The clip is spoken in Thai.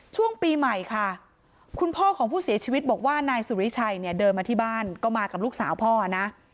ช่วงปีใหม่ค่ะคุณพ่อของผู้เสียชีวิตบอกว่านายสุริชัยเนี่ยเดินมาที่บ้านก็มากับลูกสาวพ่อนะ